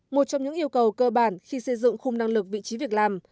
một trong những yêu cầu cơ bản khi xây dựng khung năng lực vị trí việc làm